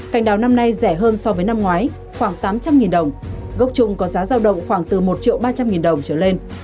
cành đào năm nay rẻ hơn so với năm ngoái khoảng tám trăm linh đồng gốc trung có giá giao động khoảng từ một triệu ba trăm linh nghìn đồng trở lên